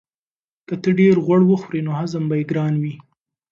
که ته ډېر غوړ وخورې نو هضم به یې ګران وي.